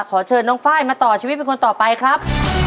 ขอเชิญน้องไฟล์มาต่อชีวิตเป็นคนต่อไปครับ